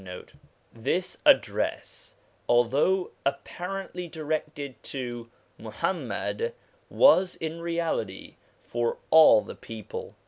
1 This address, although apparently directed to Muhammad, was in reality for all the people.